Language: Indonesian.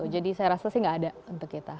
jadi saya rasa sih nggak ada untuk kita